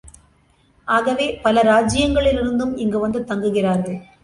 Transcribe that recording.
ஆகவே பல இராச்சியங்களிலிருந்தும் இங்கு வந்து தங்குகிறார்கள்.